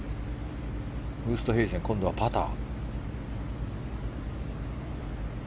ウーストヘイゼン今度はパター。